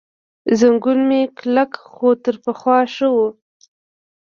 زنګون مې کلک، خو تر پخوا ښه و.